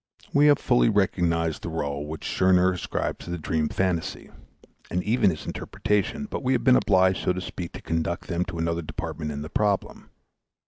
We have fully recognized the rôle which Scherner ascribes to the dream phantasy, and even his interpretation; but we have been obliged, so to speak, to conduct them to another department in the problem.